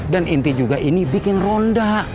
dan inti juga ini bikin ronda